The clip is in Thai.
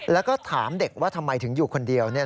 แล้วก็ถามเด็กว่าทำไมถึงอยู่คนเดียว